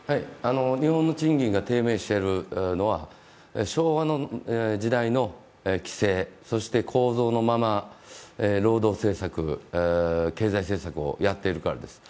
日本の賃金が低迷しているのは、昭和の時代の規制、そして構造のまま、労働政策、経済政策をやっているからです。